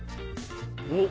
おっ。